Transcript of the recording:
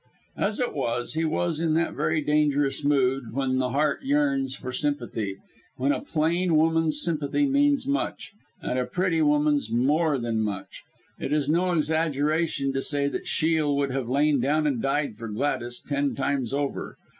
As it was, he was in that very dangerous mood when the heart yearns for sympathy; when a plain woman's sympathy means much and a pretty woman's more than much. It is no exaggeration to say that Shiel would have lain down and died for Gladys ten times over.